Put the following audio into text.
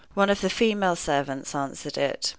One of the female servants answered it.